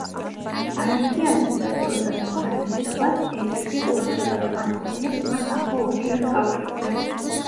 აერთიანებს რა დროს და მარადისობას, ელიოტი ყურადღებას ამახვილებს მათ ახლო ურთიერთკავშირზე.